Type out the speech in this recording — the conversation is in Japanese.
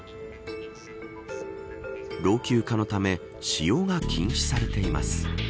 老朽化のため使用が禁止されています。